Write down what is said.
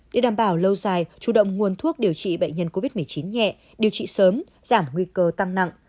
để đảm bảo lâu dài chủ động nguồn thuốc điều trị bệnh nhân covid một mươi chín nhẹ điều trị sớm giảm nguy cơ tăng nặng